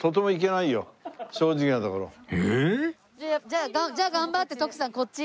じゃあ頑張って徳さんこっち。